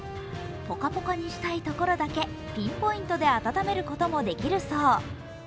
ぽかぽかにしたいところだけピンポイントで温めることもできるそう。